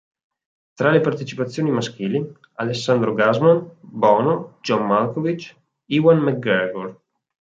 Tra le partecipazioni maschili: Alessandro Gassmann, Bono, John Malkovich, Ewan McGregor.